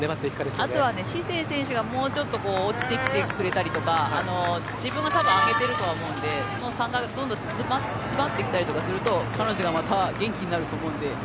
あとはシセイ選手がもうちょっと落ちてきてくれたりとか自分がたぶん上げてるとは思うんでその差がどんどん詰まってきたりすると彼女がまた元気になると思うんで。